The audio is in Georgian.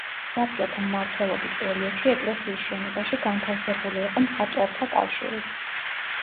საბჭოთა მმართველობის პერიოდში ეკლესიის შენობაში განთავსებული იყო მხატვართა კავშირი.